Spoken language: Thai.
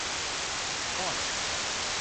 ซ่อน